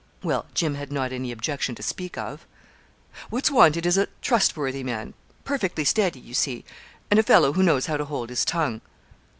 Well, Jim had not any objection to speak of. 'What's wanted is a trustworthy man, perfectly steady, you see, and a fellow who knows how to hold his tongue.'